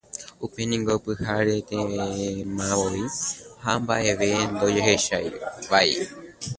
Upéingo pyharetémavoi ha mba'evéma ndojehechavéi.